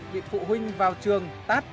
vị phụ huynh vào trường tắt